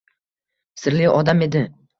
Sirli odam edi